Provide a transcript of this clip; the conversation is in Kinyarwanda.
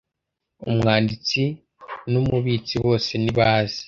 umwanditsi numubitsi bose nibaze